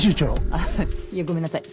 あっいやごめんなさい